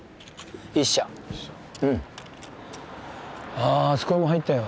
あああそこも入ったよ